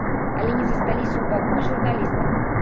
Але не засталіся ў баку і журналісты.